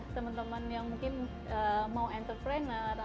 teman teman yang mungkin mau entrepreneur atau mungkin mulai hidup lebih sustainable